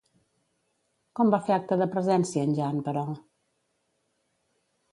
Com va fer acte de presència en Jan, però?